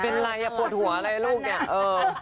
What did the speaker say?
มันมาไงอะปวดหัวอะไรลูกเนี้ย